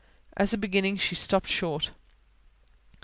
As a beginning she stopped short.